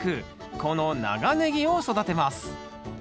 この長ネギを育てます